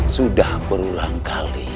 sudah berulang kali